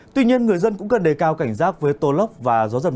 tuy nhiên người dân cũng cần đề cao cảnh giác với tô lốc và gió giật mạnh